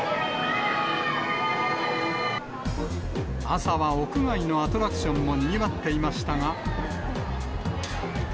朝は屋外のアトラクションもにぎわっていましたが。